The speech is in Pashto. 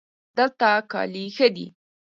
دلته کالي ښه دي